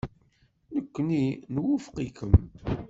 Nekkni nwufeq-ikem.